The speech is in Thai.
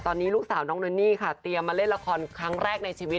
ตอนนี้ลูกสาวน้องนนนี่ค่ะเตรียมมาเล่นละครครั้งแรกในชีวิต